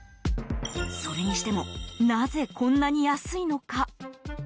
それにしてもなぜこんなに安いのか。